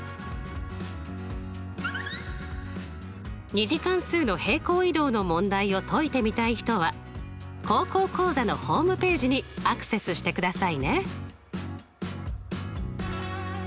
２次関数の平行移動の問題を解いてみたい人は「高校講座」のホームページにアクセスしてくださいね。